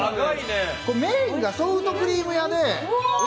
メインがソフトクリーム屋で。